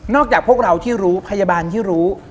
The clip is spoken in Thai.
จากพวกเราที่รู้พยาบาลที่รู้